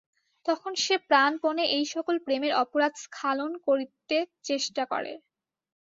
তখন সে প্রাণপণে এই-সকল প্রেমের অপরাধ স্খালন করিতে চেষ্টা করে।